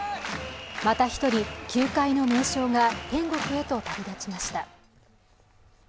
また一人、球界の名将が天国へと旅立ちました。